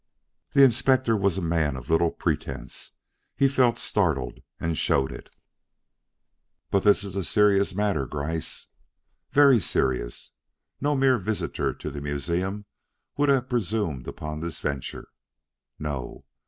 The Inspector was a man of little pretense. He felt startled and showed it. "But this is a serious matter, Gryce." "Very serious." "No mere visitor to the museum would have presumed upon this venture." "No."